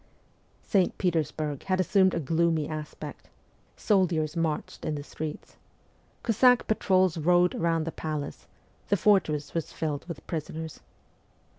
St. Petersburg had assumed a gloomy aspect. Sol diers marched in the streets. Cossack patrols rode round the palace, the fortress was filled with prisoners.